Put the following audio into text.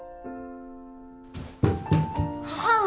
母上！